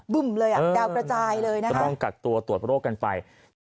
ุ่มเลยอ่ะดาวกระจายเลยนะคะก็ต้องกักตัวตรวจโรคกันไป